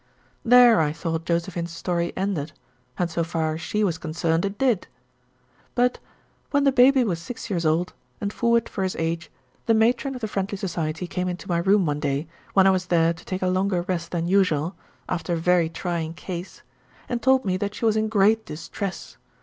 There I thought Josephine's story ended, and so far as she was concerned, it did. But when the baby was six years old, and forward for his age, the Matron of the Friendly Society came into my room one day, when I was there to take a longer rest than usual, after a very trying case, and told me that she was in great distress.